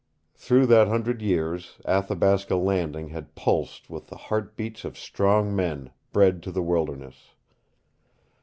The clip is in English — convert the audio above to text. Through that hundred years Athabasca Landing had pulsed with the heart beats of strong men bred to the wilderness.